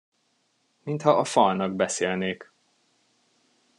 Mintha a falnak beszélnék.